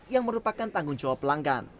yang merupakan tanggung jawab pelanggan